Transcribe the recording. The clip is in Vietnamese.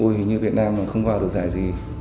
ui hình như việt nam mà không vào được giải gì